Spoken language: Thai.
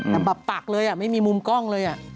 นี่หัวปากเลยไม่มีมุมกล้องเลย